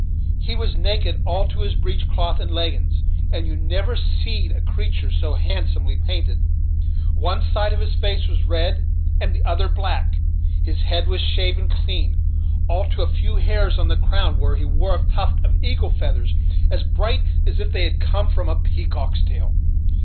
He was naked all to his breech cloth and leggins; and you never seed a creatur' so handsomely painted. One side of his face was red and the other black. His head was shaved clean, all to a few hairs on the crown, where he wore a tuft of eagle's feathers, as bright as if they had come from a peacock's tail.